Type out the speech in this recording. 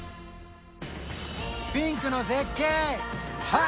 ピンクの絶景何？